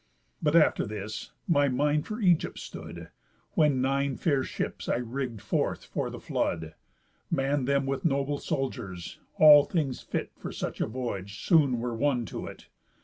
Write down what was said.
But, after this, my mind for Ægypt stood, When nine fair ships I rigg'd forth for the flood, Mann'd them with noble soldiers, all things fit For such a voyage soon were won to it.